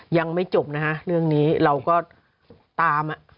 ยังไม่จบนะฮะเรื่องนี้เราก็ตาม